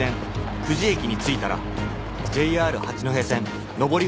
久慈駅に着いたら ＪＲ 八戸線上りホームを目指す